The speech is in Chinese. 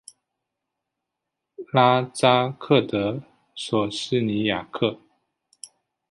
拉扎克德索西尼亚克。